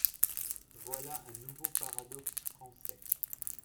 Voilà un nouveau paradoxe français.